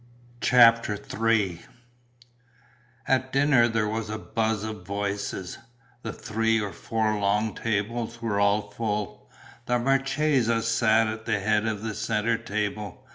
CHAPTER III At dinner there was a buzz of voices; the three or four long tables were all full; the marchesa sat at the head of the centre table.